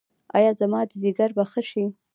ایا زما ځیګر به ښه شي؟